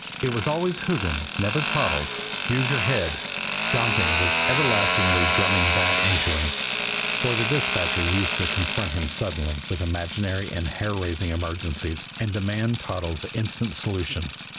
_" It was always "Hoogan," never "Toddles." "Use your head" Donkin was everlastingly drumming that into him; for the dispatcher used to confront him suddenly with imaginary and hair raising emergencies, and demand Toddles' instant solution.